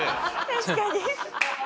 確かに。